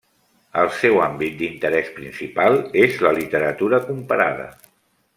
El seu àmbit d'interès principal és la literatura comparada.